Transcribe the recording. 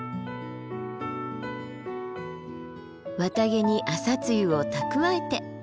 綿毛に朝露を蓄えて。